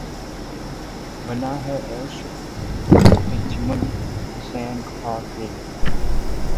بنا ہے عیش تجمل حسین خاں کے لیے